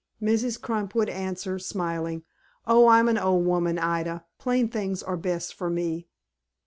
Mrs. Crump would answer, smiling, "Oh, I'm an old woman, Ida. Plain things are best for me."